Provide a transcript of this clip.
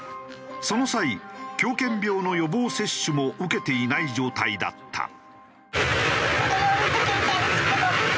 その際狂犬病の予防接種も受けていない状態だった。